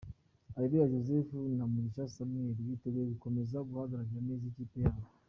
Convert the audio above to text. Areruya Joseph na Mugisha Samuel biteguye gukomeza guhagararira neza ikipe yabo.